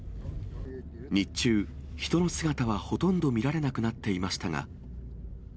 日中、人の姿はほとんど見られなくなっていましたが。